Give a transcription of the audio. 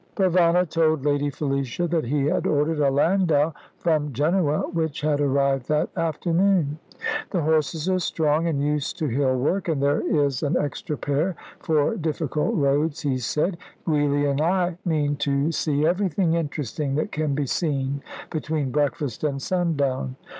Provana told Lady Felicia that he had ordered a landau from Genoa, which had arrived that afternoon. "The horses are strong, and used to hill work, and there is an extra pair for difficult roads," he said. "Giulia and I mean to see everything interesting that can be seen between breakfast and sundown.